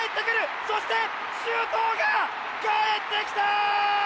そして周東がかえってきた！